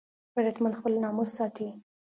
غیرتمند خپل ناموس ساتي